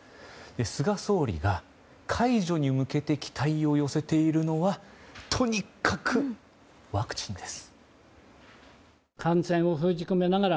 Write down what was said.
菅総理が解除に向けて期待を寄せているのはとにかくワクチンです。